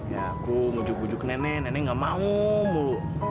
ya aku mujuk mujuk nenek nenek gak mau mulu